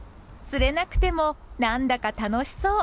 釣れなくてもなんだか楽しそう。